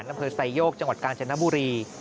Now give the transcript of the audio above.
น้ำเผอร์ไสยโยกจังหวัดกาญจนบุรี